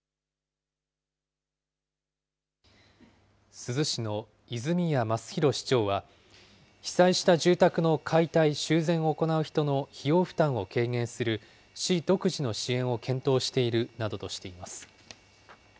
珠洲市の泉谷満寿裕市長は、被災した住宅の解体・修繕を行う人の費用負担を軽減する、市独自の支援を検討しているなどとしています。